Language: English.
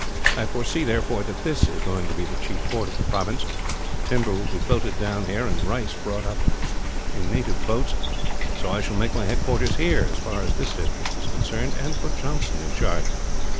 I foresee, therefore, that this is going to be the chief port of the province timber will be floated down here, and rice brought down in native boats so I shall make my headquarters here, as far as this district is concerned, and put Johnson in charge.